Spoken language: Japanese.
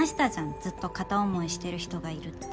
ずっと片思いしてる人がいるって。